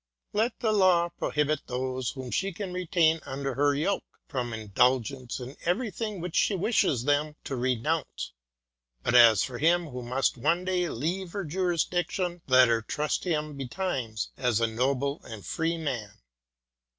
Let the law prohibit those whom she can retain under her yoke, from indulgence in every thing which she wishes them to renounce ; but as for him who must one day leave her jurisdiction, let her trust him betimes as a noble and free man.